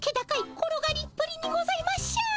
転がりっぷりにございましょう。